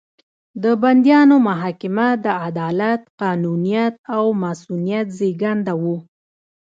د بندیانو محاکمه د عدالت، قانونیت او مصونیت زېږنده وو.